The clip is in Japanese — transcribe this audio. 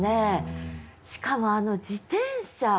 しかもあの自転車。